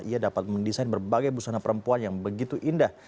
ia dapat mendesain berbagai busana perempuan yang begitu indah